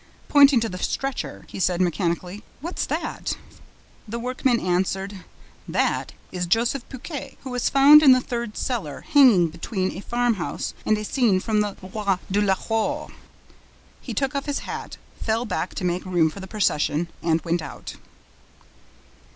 Pointing to the stretcher, he asked mechanically: "What's that?" The workmen answered: "'That' is Joseph Buquet, who was found in the third cellar, hanging between a farm house and a scene from the ROI DE LAHORE." He took off his hat, fell back to make room for the procession and went out.